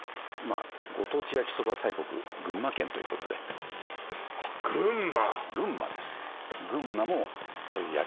ご当地焼きそば大国群馬県ということで群馬群馬ですあっ